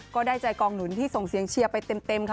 ก็ได้ใจกองหนุนที่ส่งเสียงเชียร์ไปเต็มค่ะ